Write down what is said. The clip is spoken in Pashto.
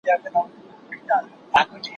د ښايسته ساقي په لاس به جام گلنار وو